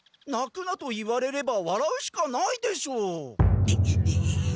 「なくな」と言われればわらうしかないでしょう。